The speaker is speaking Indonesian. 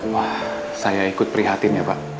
wah saya ikut prihatin ya pak